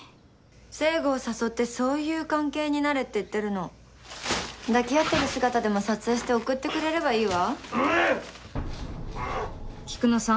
成吾を誘ってそういう関係になれって言ってるの抱き合ってる姿でも撮影して送ってくれればいいわ菊乃さん